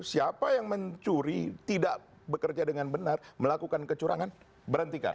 siapa yang mencuri tidak bekerja dengan benar melakukan kecurangan berhentikan